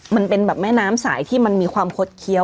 มันเป็นแบบแม่น้ำสายที่มันมีความคดเคี้ยว